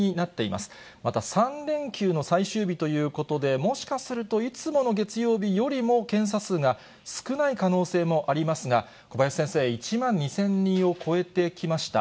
また、３連休の最終日ということで、もしかすると、いつもの月曜日よりも検査数が少ない可能性もありますが、小林先生、１万２０００人を超えてきました。